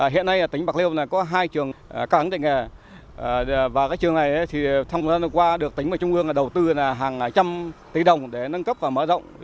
hiện nay tỉnh bạc liêu có hai trường cao đẳng nghề và trường này thông qua được tỉnh và trung ương đầu tư hàng trăm tỷ đồng để nâng cấp và mở rộng